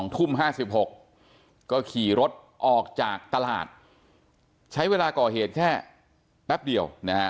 ทุ่ม๕๖ก็ขี่รถออกจากตลาดใช้เวลาก่อเหตุแค่แป๊บเดียว